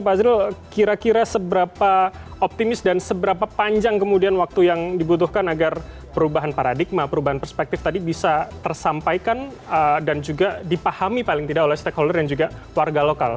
pak azril kira kira seberapa optimis dan seberapa panjang kemudian waktu yang dibutuhkan agar perubahan paradigma perubahan perspektif tadi bisa tersampaikan dan juga dipahami paling tidak oleh stakeholder dan juga warga lokal